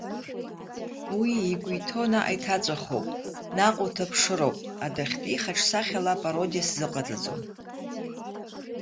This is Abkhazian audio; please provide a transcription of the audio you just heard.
Уи игәы иҭоу наҟ иҭаҵәахуп, наҟ уҭаԥшыроуп, адәахьтәи ихаҿсахьала апородиа сзыҟаҵаӡом.